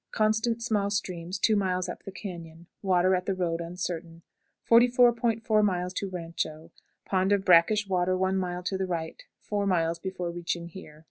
Constant small streams two miles up the cañon; water at the road uncertain. 44.40. Rancho. Pond of brackish water one mile to the right, four miles before reaching here.